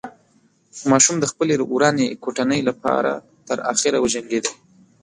ماشوم د خپلې ورانې کوټنۍ له پاره تر اخره وجنګېده.